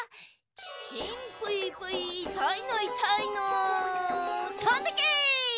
ちちんぷいぷいいたいのいたいのとんでけ！